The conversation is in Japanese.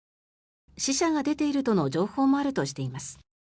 死者が出ているとの情報もあるとしています。